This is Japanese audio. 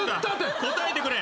答えてくれ。